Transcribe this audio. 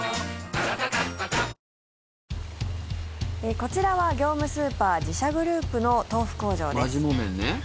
こちらは業務スーパー自社グループのマジ木綿ね。